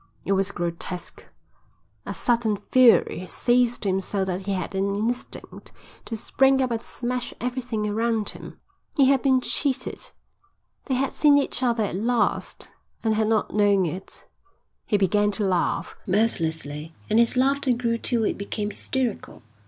It was grotesque. A sudden fury seized him so that he had an instinct to spring up and smash everything around him. He had been cheated. They had seen each other at last and had not known it. He began to laugh, mirthlessly, and his laughter grew till it became hysterical.